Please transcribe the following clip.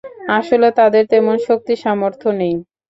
আসলে তাদের তেমন শক্তি-সামর্থ্য নেই।